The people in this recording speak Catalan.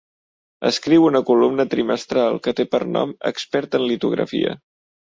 Escriu una columna trimestral que té per nom "Expert en litografia".